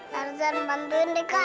tersen bantuin deh kak